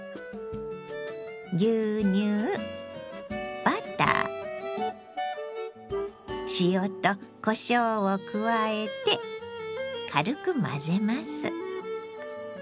牛乳バター塩とこしょうを加えて軽く混ぜます。